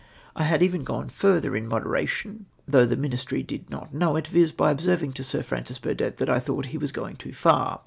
I had even gone further in moderation, though the Ministry did not know it, viz. l)y observing to Sir Francis Burdett that I thought he was going too far.